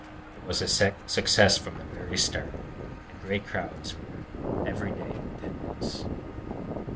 It was a success from the very start, and great crowds were every day in attendance.